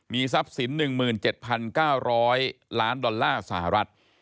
ทรัพย์สิน๑๗๙๐๐ล้านดอลลาร์สหรัฐ